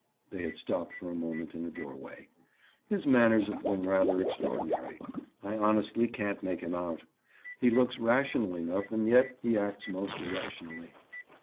They had stopped for a moment in a doorway. "His manners have been rather extraordinary. I honestly can't make him out. He looks rational enough and yet he acts most irrationally."